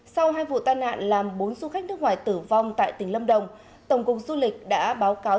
sau hai vụ tai nạn làm bốn du khách nước ngoài tử vong tại tỉnh lâm đồng tổng cục du lịch đã báo cáo